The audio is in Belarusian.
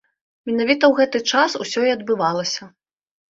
Менавіта ў гэты час усё і адбывалася.